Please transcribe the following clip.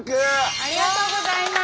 ありがとうございます。